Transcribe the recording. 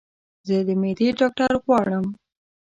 زه د معدي ډاکټر غواړم